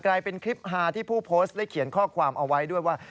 กลายเป็นคลิปฮาที่ผู้โพสต์ได้เขียนข้อความเอาไว้ด้วยว่า